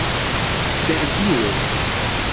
servilo